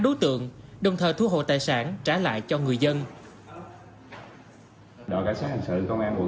đối tượng đồng thời thu hộ tài sản trả lại cho người dân đội cảnh sát hành sự công an quận